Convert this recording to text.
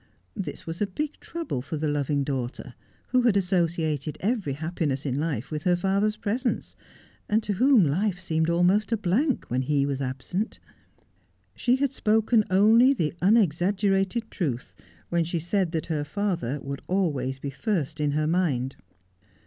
This was a big trouble for the loving daughter, who had associated every happiness in life with her father's presence, and to whom life seemed almost a blank when he was absent. She had spoken only the unexaggerated truth when she said that her father would always be first in her mind.